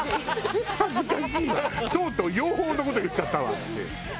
とうとう養蜂の事言っちゃったわ私。